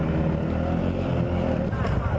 ย้มมือย้มมือ